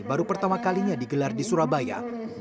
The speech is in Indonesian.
baru pertama kalinya digelar di surabaya